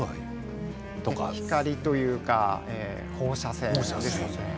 光というか放射線ですね。